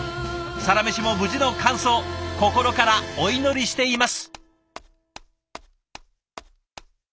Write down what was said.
「サラメシ」も無事の完走心からお祈りしています。